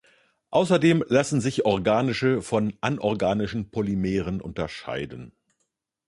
Außerdem lassen sich "organische" von "anorganischen" Polymeren unterscheiden.